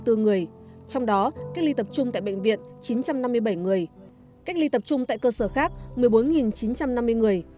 trong đó cách ly tập trung tại bệnh viện chín trăm năm mươi bảy người cách ly tập trung tại cơ sở khác một mươi bốn chín trăm năm mươi người